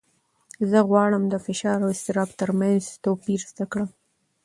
زه غواړم د فشار او اضطراب تر منځ توپیر زده کړم.